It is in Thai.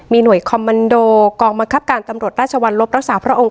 หน่วยคอมมันโดกองบังคับการตำรวจราชวรรลบรักษาพระองค์